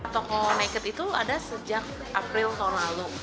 toko nekat itu ada sejak april tahun lalu